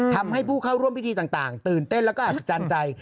ทำให้ผู้เข้าร่วมพิธีต่างตื่นเต้นแล้วก็อัศจรรย์ใจ